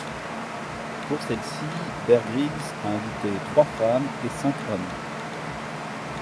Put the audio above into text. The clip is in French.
Pour celle-ci, Bear Grylls a invité trois femmes et cinq hommes.